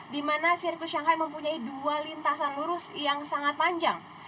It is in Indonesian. dimana sirkuit shanghai mempunyai dua lintasan lurus yang sangat panjang